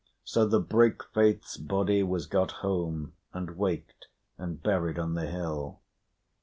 So the break faith's body was got home, and waked, and buried on the hill.